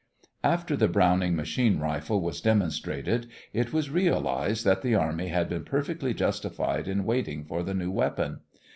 After the Browning machine rifle was demonstrated it was realized that the army had been perfectly justified in waiting for the new weapon.